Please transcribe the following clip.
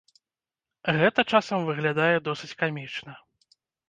Гэта часам выглядае досыць камічна.